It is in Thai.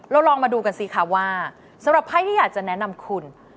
ลองมาดูกันสิคะว่าสำหรับไพ่ที่อยากจะแนะนำคุณ